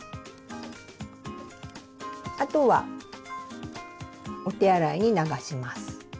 あとはお手洗いに流します。